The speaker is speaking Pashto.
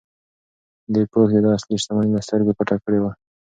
دې پوښ د ده اصلي شتمني له سترګو پټه کړې وه.